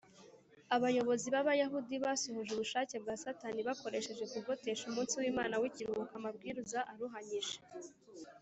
abayobozi b’abayahudi basohoje ubushake bwa satani bakoresheje kugotesha umunsi w’imana w’ikiruhuko amabwiriza aruhanyije